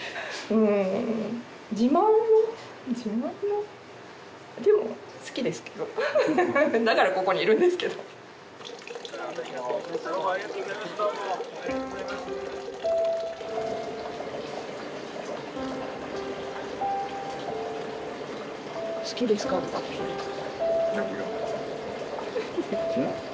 うん自慢自慢のでも好きですけどフフフだからここにいるんですけど・どうもありがとうございましたどうもありがとうございますうん？